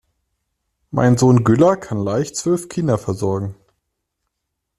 Mein Sohn Güllar kann leicht zwölf Kinder versorgen.